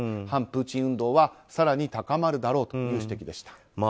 反プーチン運動は更に高まるだろうという指摘でした。